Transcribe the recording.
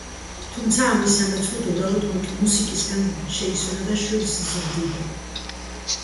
თუმცა, ამის სანაცვლოდ, უბრალოდ მუსიკისგან შეისვენა და შვილს ზრდიდა.